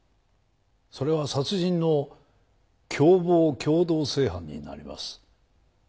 それは殺人の共謀共同正犯になります。